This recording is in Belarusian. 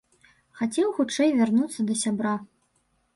Хацеў хутчэй вярнуцца да сябра.